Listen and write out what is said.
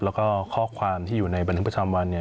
แล้วก็ข้อความที่อยู่ในบันทึกประจำวันเนี่ย